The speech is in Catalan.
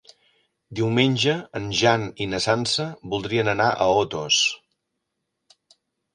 Diumenge en Jan i na Sança voldrien anar a Otos.